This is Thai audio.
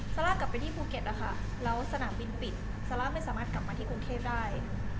ซาร่ากลับไปที่ภูเก็ตนะคะแล้วสนามบินปิดซาร่าไม่สามารถกลับมาที่กรุงเทพได้